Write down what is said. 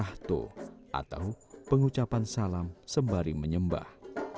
ahto atau pengucapan salam sembari menyembah